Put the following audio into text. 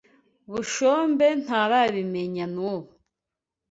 Bushombe ntarabimenya nubu.